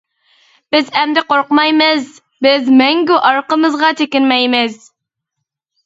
بىز ئەمدى قورقمايمىز، بىز مەڭگۈ ئارقىمىزغا چېكىنمەيمىز.